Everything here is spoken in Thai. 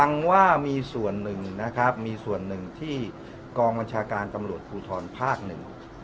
ยังว่ามีส่วนหนึ่งนะครับมีส่วนหนึ่งที่กองบัญชาการตำรวจภูทรภาคหนึ่ง